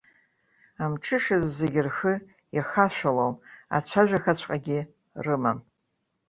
Амҽышазы зегьы рхы иахашәалом, ацәажәахаҵәҟьагьы рымам.